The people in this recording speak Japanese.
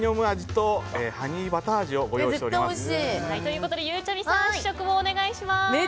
ということで、ゆうちゃみさん試食をお願いします。